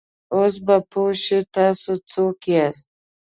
اوس به پوه شې، تاسې څوک یاست؟